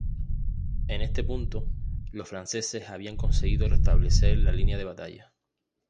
En este punto los franceses habían conseguido restablecer la línea de batalla.